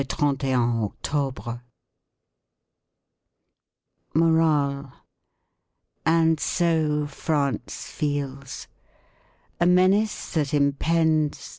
(31 octobre) 36 Morale And so France feels. A menace that impends.